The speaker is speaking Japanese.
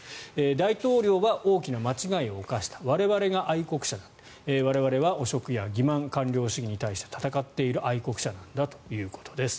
大統領は大きな間違いを犯した我々が愛国者だ我々は汚職や欺まん官僚主義に対して戦っている愛国者なんだということです。